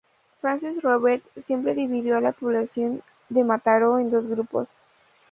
Francesc Robert siempre dividió a la población de Mataró en dos grupos.